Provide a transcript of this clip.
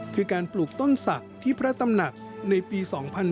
คือการปลูกต้นศักดิ์ที่พระตำหนักในปี๒๕๕๙